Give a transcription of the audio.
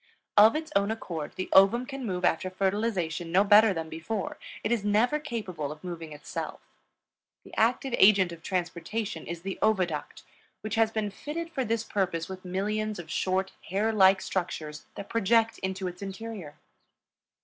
Of its own accord the ovum can move after fertilization no better than before; it is never capable of moving itself. The active agent of transportation is the oviduct, which has been fitted for this purpose with millions of short, hair like structures that project into its interior.